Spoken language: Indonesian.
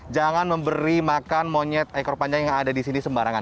jangan memberi makan monyet ekor panjang yang ada di sini sembarangan